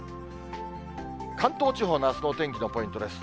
関東地方のあすのお天気のポイントです。